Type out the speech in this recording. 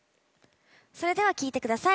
それでは聴いて下さい。